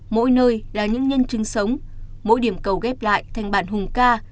mỗi nơi là những nhân chứng sống mỗi điểm cầu ghép lại thành bản hùng ca